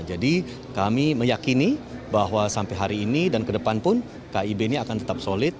jadi kami meyakini bahwa sampai hari ini dan ke depan pun kib ini akan tetap solid